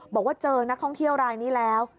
บอกว่าเจอนักท่องเที่ยวรายนี้แล้ว